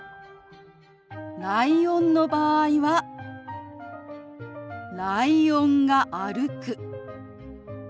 ライオンの場合は「ライオンが歩く」。